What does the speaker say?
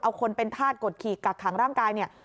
เอาคนเป็นธาตุกดขี่กักขังร่างกายเนี่ย